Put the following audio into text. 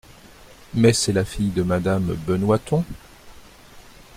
Mais c’est la fille de madame Benoiton !